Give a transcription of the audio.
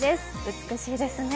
美しいですね。